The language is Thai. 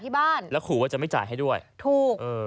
ใช่แล้วขอว่าจะไม่จ่ายให้ด้วยใช่ไปรักษาที่บ้าน